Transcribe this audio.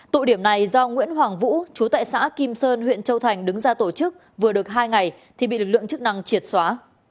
tụ điểm này do nguyễn hoàng vũ chú tại xã kim sơn huyện châu thành đứng ra tổ chức vừa được hai ngày thì bị lực lượng chức năng triệt xóa